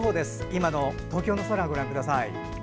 今の東京の空をご覧ください。